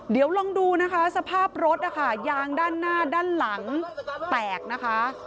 เดี๋ยวลองดูนะคะสภาพรถนะคะยางด้านหน้าด้านหลังแตกนะคะ